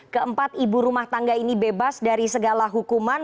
keempat ibu rumah tangga ini bebas dari segala hukuman